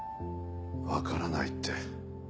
わからないって。